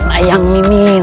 mulai yang mimin